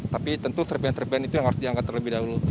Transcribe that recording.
tapi tentu serpian serpian itu yang harus diangkat terlebih dahulu